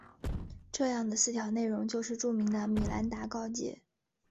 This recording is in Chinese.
这样的四条内容就是著名的米兰达告诫。